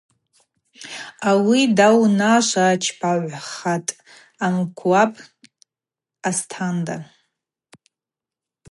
Ауи даунашвачпагӏвхатӏ Амкӏваб Астанда.